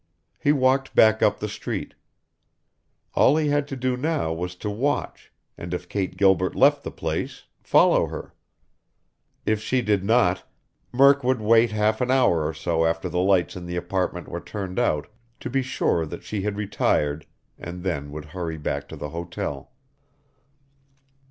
He walked back up the street. All he had to do now was to watch, and if Kate Gilbert left the place follow her. If she did not, Murk would wait half an hour or so after the lights in the apartment were turned out, to be sure that she had retired, and then would hurry back to the hotel.